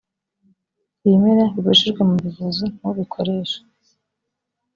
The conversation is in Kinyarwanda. ibimera bibujijwe mu buvuzi ntubikoreshe